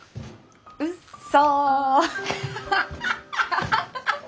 うっそ！